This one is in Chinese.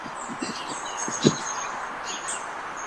艾佛杰克生长于荷兰斯派克尼瑟。